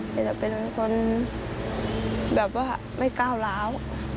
จะเป็นคนแบบว่าไม่ก้าวร้าว